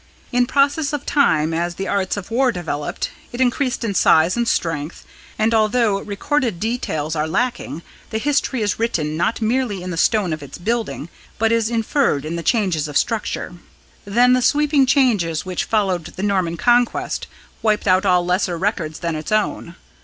In process of time, as the arts of war developed, it increased in size and strength, and although recorded details are lacking, the history is written not merely in the stone of its building, but is inferred in the changes of structure. Then the sweeping changes which followed the Norman Conquest wiped out all lesser records than its own.